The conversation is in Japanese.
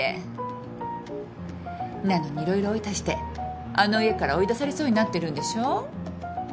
なのに色々おいたしてあの家から追い出されそうになってるんでしょう？